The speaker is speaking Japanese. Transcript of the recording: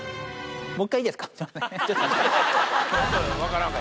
もう１回いいですか？